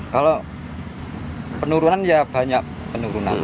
kalau penurunan ya banyak penurunan